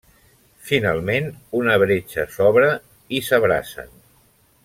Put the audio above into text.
Finalment, una bretxa s'obre i s'abracen.